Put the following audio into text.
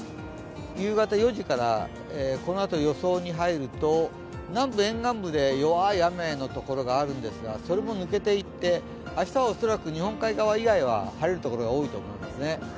夕方４時から、このあと予想に入ると沿岸部で弱い雨のところがあるんですがそれも抜けていって明日は恐らく日本海側以外は晴れるところが多いと思いますね。